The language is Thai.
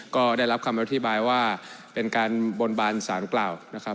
ก็ได้รับคำอธิบายว่าเป็นการบนบานสารกล่าวนะครับ